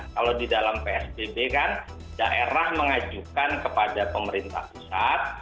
kalau di dalam psbb kan daerah mengajukan kepada pemerintah pusat